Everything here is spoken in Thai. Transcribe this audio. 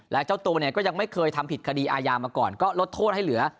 และเจ้าตัวเนี่ยก็ยังไม่เคยทำผิดคดีอาญามาก่อนก็ลดโทษให้เหลือ